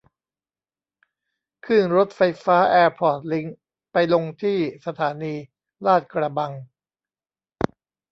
ขึ้นรถไฟฟ้าแอร์พอร์ตลิงก์ไปลงที่สถานีลาดกระบัง